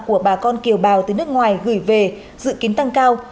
của bà con kiều bào từ nước ngoài gửi về dự kiến tăng cao